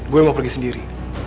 gue mau pergi sendiri